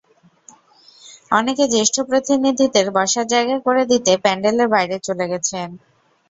অনেকে জ্যেষ্ঠ প্রতিনিধিদের বসার জায়গা করে দিতে প্যান্ডেলের বাইরে চলে গেছেন।